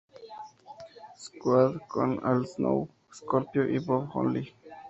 Squad con Al Snow, Scorpio, y Bob Holly.